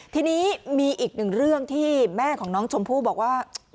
ทีนี้มีอีกหนึ่งเรื่องที่แม่ของน้องชมพู่บอกว่า